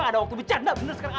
siapa yang bercanda